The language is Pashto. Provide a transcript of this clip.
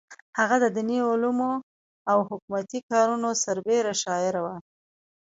هغه د دیني علومو او حکومتي کارونو سربېره شاعره وه.